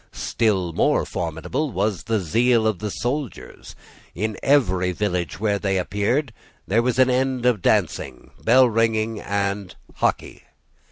Still more formidable was the zeal of the soldiers. In every village where they appeared there was an end of dancing, bellringing, and hockey.